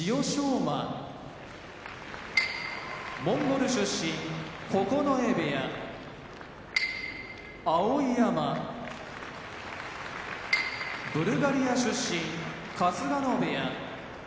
馬モンゴル出身九重部屋碧山ブルガリア出身春日野部屋